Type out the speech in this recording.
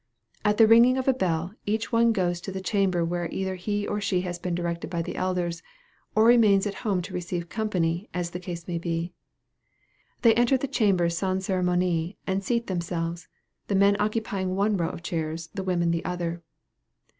At the ringing of a bell each one goes to the chamber where either he or she has been directed by the elders, or remains at home to receive company, as the case may be. They enter the chambers sans ceremonie, and seat themselves the men occupying one row of chairs, the women the other.